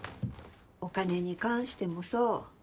お金に関してもそう。